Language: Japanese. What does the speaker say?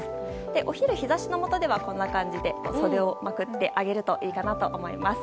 お昼日差しのもとではこんな感じで袖をまくってあげるといいと思います。